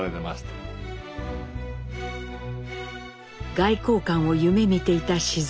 外交官を夢みていた雄。